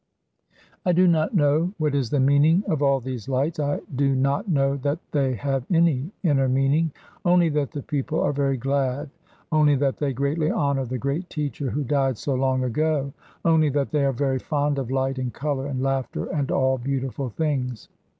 I do not know what is the meaning of all these lights; I do not know that they have any inner meaning, only that the people are very glad, only that they greatly honour the great teacher who died so long ago, only that they are very fond of light and colour and laughter and all beautiful things.